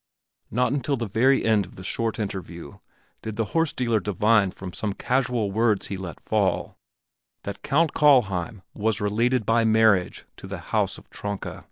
Not until the very end of the short interview did the horse dealer divine from some casual words he let fall, that Count Kallheim was related by marriage to the house of Tronka.